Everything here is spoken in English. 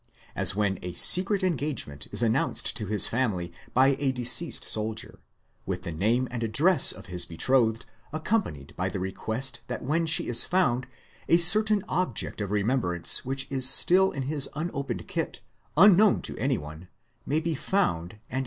As when a secret engagement is announced to his family by a deceased soldier, with the name and address of his betrothed, accompanied by the request that when she is found a certain object of remem brance which is still in his unopened kit, unknown to anyone, may be found and given her.